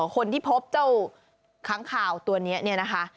คนที่พบเจ้าค้างข่าวตัวนี้เนี่ยนะคะ